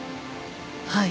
はい。